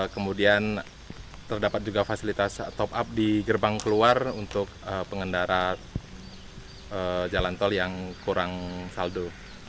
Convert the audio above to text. kemudian terdapat juga fasilitas top up di gerbang keluar untuk pengendara jalan tol yang kurang saldo